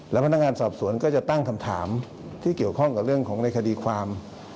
แล้วพนักงานสอบสวนก็จะตั้งคำถามที่เกี่ยวข้องกับเรื่องของในคดีความ